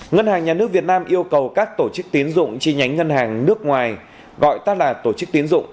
ngân hàng nhà nước việt nam yêu cầu các tổ chức tiến dụng chi nhánh ngân hàng nước ngoài gọi tắt là tổ chức tiến dụng